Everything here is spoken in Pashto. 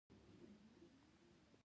ما له کړکۍ نه بهر وکتل او ځواب مي ورکړ.